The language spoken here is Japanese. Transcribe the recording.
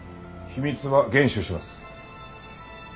秘密は厳守します。